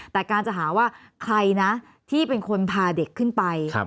แต่การจะหาว่าใครนะที่เป็นคนพาเด็กขึ้นไป